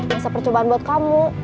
masa percobaan buat kamu